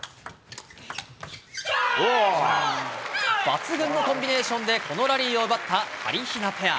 抜群のコンビネーションでこのラリーを奪ったハリヒナペア。